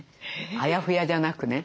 あやふやじゃなくね。